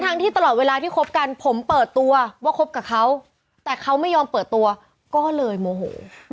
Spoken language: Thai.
ที่ตลอดเวลาที่คบกันผมเปิดตัวว่าคบกับเขาแต่เขาไม่ยอมเปิดตัวก็เลยโมโห